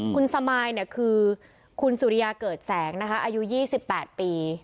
คุณสมายเนี่ยคือคุณสุริยาเกิดแสงนะคะอายุยี่สิบแปดปี